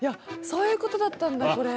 そういうことだったんだこれ。